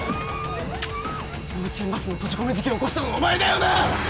幼稚園バスの閉じ込め事件を起こしたのはお前だよな！